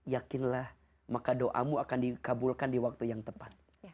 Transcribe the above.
yakinlah maka doamu akan dikabulkan di waktu yang tepat